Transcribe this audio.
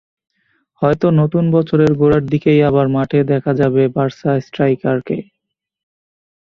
হয়তো নতুন বছরের গোড়ার দিকেই আবার মাঠে দেখা যাবে বার্সা স্ট্রাইকারকে।